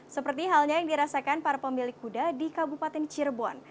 seperti halnya yang dirasakan para pemilik kuda di kabupaten cirebon